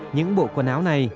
những bộ quần áo này